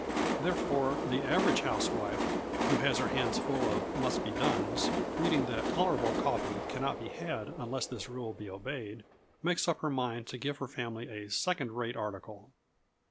Therefore, the average housewife, who has her hands full of "must be dones," reading that tolerable coffee cannot be had unless this rule be obeyed, makes up her mind to give her family a second rate article.